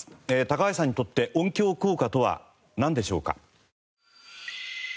高橋さんにとって音響効果とはなんでしょうか？